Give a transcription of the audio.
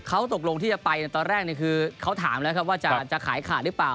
เขาตกลงที่จะไปตอนแรกคือเขาถามแล้วครับว่าจะขายขาดหรือเปล่า